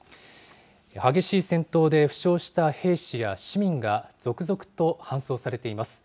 激しい戦闘で負傷した兵士や市民が続々と搬送されています。